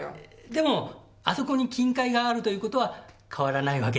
でもあそこに金塊があるということは変わらないわけだし。